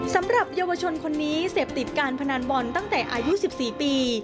สำหรับเยาวชนคนนี้เสพติดการพนันบอลตั้งแต่อายุ๑๔ปี